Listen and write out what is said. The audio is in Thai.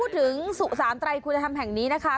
สุสานไตรคุณธรรมแห่งนี้นะคะ